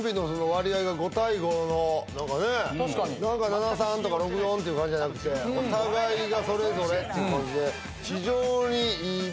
７３とか６４っていう感じじゃなくてお互いがそれぞれって感じで。